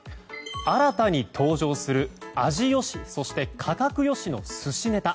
新たに登場する、味よしそして価格よしの寿司ネタ。